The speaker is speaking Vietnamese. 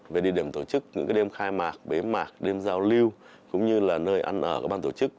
về địa điểm tổ chức những đêm khai mạc bế mạc đêm giao lưu cũng như là nơi ăn ở của ban tổ chức